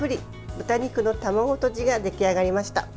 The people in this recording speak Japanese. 豚肉の卵とじが出来上がりました。